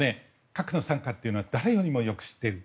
核の惨禍というのは誰よりもよく知っている。